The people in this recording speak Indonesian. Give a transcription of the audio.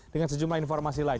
dengan sejumlah informasi lain